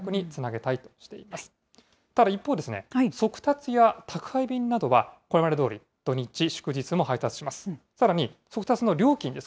ただ一方、速達や宅配便などはこれまでどおり土日、祝日も配達します。